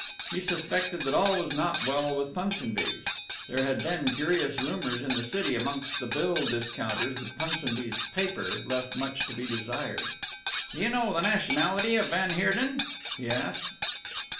He suspected that all was not well with Punsonby's. There had been curious rumours in the City amongst the bill discounters that Punsonby's "paper" left much to be desired. "Do you know the nationality of van Heerden?" he asked.